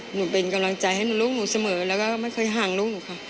หนูเป็นกำลังใจให้ลูกหนูเสมอแล้วก็ไม่เคยห่างลูกหนูค่ะ